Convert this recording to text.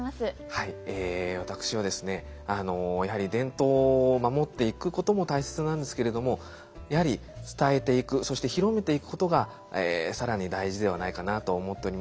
はい私はですねやはり伝統を守っていくことも大切なんですけれどもやはり伝えていくそして広めていくことが更に大事ではないかなと思っております。